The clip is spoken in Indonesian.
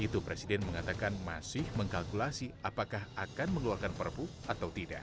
itu presiden mengatakan masih mengkalkulasi apakah akan mengeluarkan perpu atau tidak